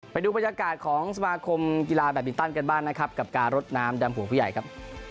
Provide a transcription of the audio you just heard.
ไปดูบรรยากาศของสมาคมกีฬาแบบบินตันกันบ้างนะครับกับการรดน้ำดำหัวผู้ใหญ่ครับ